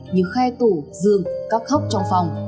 như khe tủ giường các khóa